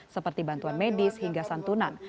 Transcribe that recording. seperti bantuan medis hingga santunan